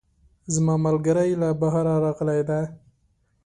زما ملګرۍ له بهره راغلی ده